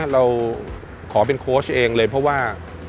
เราขอเป็นโค้ชเองเลยเพราะว่า